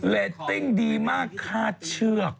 เรตติ้งดีมากคาดเชือก